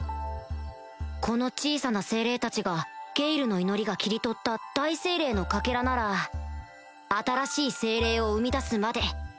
この小さな精霊たちがゲイルの祈りが切り取った大精霊のかけらなら新しい精霊を生み出すまで